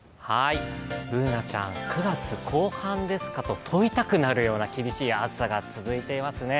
Ｂｏｏｎａちゃん、９月後半ですかと問いたくなるような厳しい暑さが続いていますね。